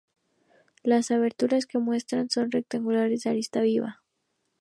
Las aberturas que muestra son rectangulares de arista viva.